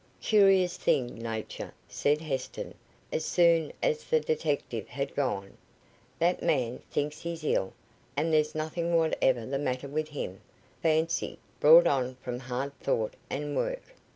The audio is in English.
"Curious thing, nature," said Heston, as soon as the detective had gone; "that man thinks he's ill, and there's nothing whatever the matter with him. Fancy, brought on from hard thought and work."